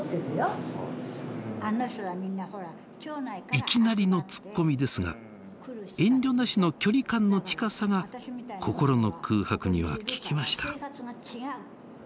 いきなりのツッコミですが遠慮なしの距離感の近さが心の空白には効きました。